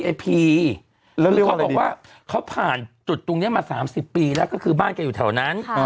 แล้วเร็วอะไรดีคือเขาบอกว่าเขาผ่านจุดตรงเนี้ยมาสามสิบปีแล้วก็คือบ้านกันอยู่แถวนั้น